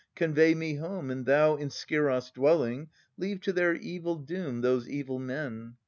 Convey me home, and thou, in Scyros dwelling. Leave to their evil doom those evil men.